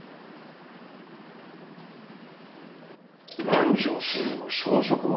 南条すずの消息？